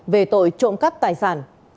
về tội trộm cắp tài sản